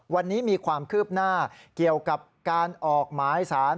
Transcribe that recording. วันนี้มีความคืบหน้าเกี่ยวกับการออกหมายสาร